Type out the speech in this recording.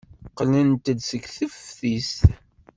Qqlent-d seg teftist.